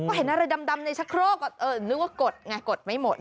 ก็เห็นอะไรดำในชะโครกนึกว่ากดไงกดไม่หมด